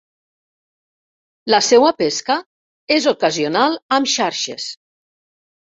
La seua pesca és ocasional amb xarxes.